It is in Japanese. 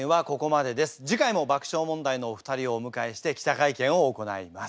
次回も爆笑問題のお二人をお迎えして記者会見を行います。